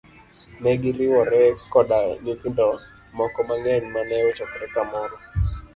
Negiriwore koda nyithindo moko mang'eny mane ochokore kamoro.